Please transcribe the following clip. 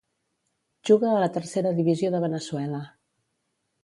Juga a la Tercera Divisió de Veneçuela.